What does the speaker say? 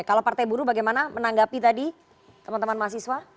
kalau partai buruh bagaimana menanggapi tadi teman teman mahasiswa